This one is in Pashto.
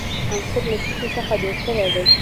عنصر له څه شي څخه جوړ شوی دی.